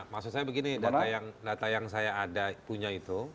maksud saya begini data yang saya ada punya itu